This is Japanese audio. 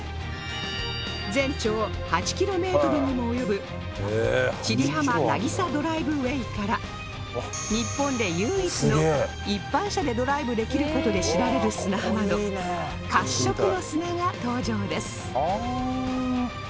全長８キロメールにも及ぶ千里浜なぎさドライブウェイから日本で唯一の一般車でドライブできる事で知られる砂浜の褐色の砂が登場ですはあ。